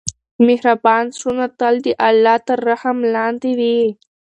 مهربان زړونه تل د الله تر رحم لاندې وي.